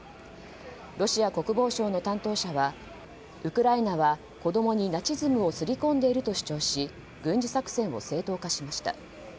ロシア国防省の担当者はウクライナは子供にナチズムを刷り込んでいると主張し軍事作戦を正当化しました。